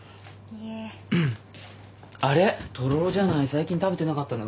最近食べてなかったな。